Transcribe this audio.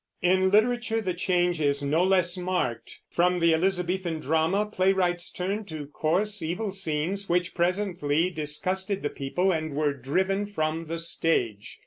In literature the change is no less marked. From the Elizabethan drama playwrights turned to coarse, evil scenes, which presently disgusted the people and were driven from the stage.